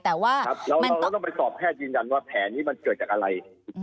แต่ว่าเราก็ต้องไปสอบแพทย์ยืนยันว่าแผลนี้มันเกิดจากอะไร